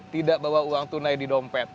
tidak bawa uang tunai di dompet